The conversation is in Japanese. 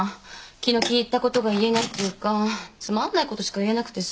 気の利いたことが言えないっていうかつまんないことしか言えなくてさ。